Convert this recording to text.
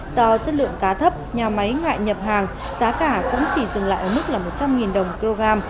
do chất lượng cá thấp nhà máy ngại nhập hàng giá cả cũng chỉ dừng lại ở mức là một trăm linh đồng một kg